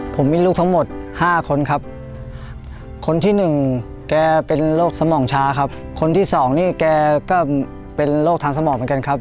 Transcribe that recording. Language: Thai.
ผมมีลูกทั้งหมดห้าคนครับคนที่หนึ่งแกเป็นโรคสมองช้าครับคนที่สองนี่แกก็เป็นโรคทางสมองเหมือนกันครับ